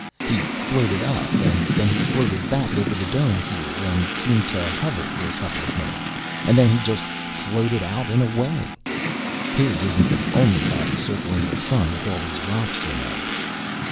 He floated up, and then he floated back over the dome here and seemed to hover for a couple minutes, and then he just floated out and away. His isn't the only body circling around the sun with all these rocks, you know."